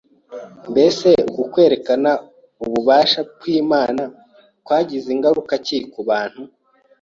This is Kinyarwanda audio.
Mbese uku kwerekana ububasha kw’Imana kwagize ngaruka ki ku bantu?